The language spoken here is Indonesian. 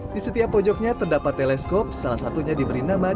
di setiap pojoknya terdapat teleskop salah satunya diberi nama